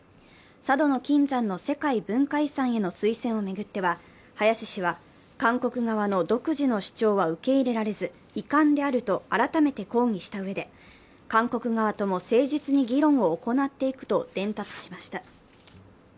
佐渡島の金山の世界文化遺産への推薦を巡っては林氏は韓国側の独自の主張は受け入れられず、遺憾であると改めて抗議したうえで、韓国側とも誠実に議論を行っていくと伝達しました。